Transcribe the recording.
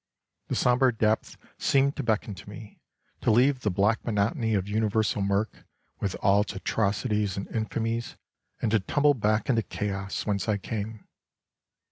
The sombre depth seemed to beckon to me, to leave the black monotony of universal mirk, with all its atrocities and infamies, and to tumble back into chaos, whence I came.